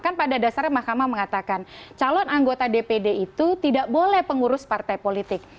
kan pada dasarnya mahkamah mengatakan calon anggota dpd itu tidak boleh pengurus partai politik